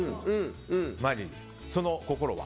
その心は？